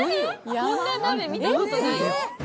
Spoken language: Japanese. こんな鍋見たことないよ。